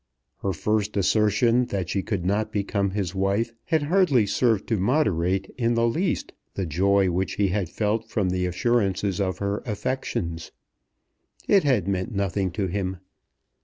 Her first assertion that she could not become his wife had hardly served to moderate in the least the joy which he had felt from the assurances of her affections. It had meant nothing to him.